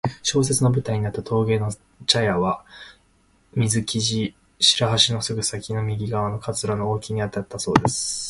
小説の舞台になった峠の茶屋は水生地・白橋のすぐ先の右側、桂の大木のあたりにあったそうです。